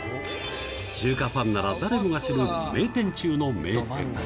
中華ファンなら誰もが知る名店中の名店。